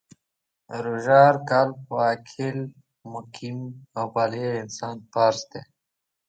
روژه هر کال په عاقل ، مقیم او بالغ انسان فرض ده .